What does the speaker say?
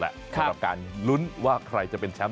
สำหรับการลุ้นว่าใครจะเป็นแชมป์